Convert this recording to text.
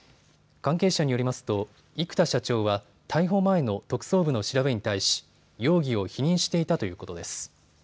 関係者によりますと生田社長は逮捕前の特捜部の調べに対し容疑を否認していたということです。